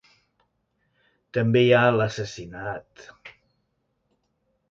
També hi ha l'assassinat...